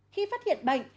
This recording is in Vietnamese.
khi phát hiện bệnh